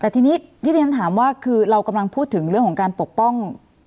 แต่ทีนี้ที่ที่ฉันถามว่าคือเรากำลังพูดถึงเรื่องของการปกป้อง